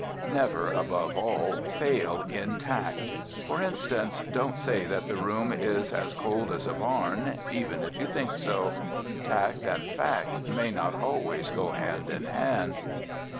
Never, above all, fail in tact. For instance, don't say that the room is as cold as a barn, even if you think so. Tact and fact may not always go hand in hand.